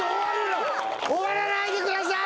終わらないでください！